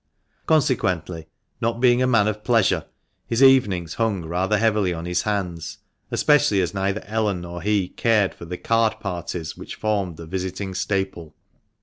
Consequently, not being a man of pleasure, his THE MANCHESTER MAN. 421 evenings hung rather heavily on his hands, especially as neither Ellen nor he cared for the card parties which formed the visiting staple.